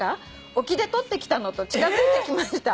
沖で採ってきたの』と近づいてきました」